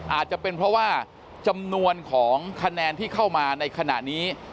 อาจจะเป็นเพราะว่าจำนวนของคะแนนที่เข้ามาในขณะนี้